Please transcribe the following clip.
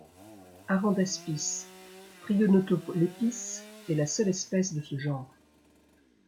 Arandaspis prionotolepis est la seule espèce de ce genre.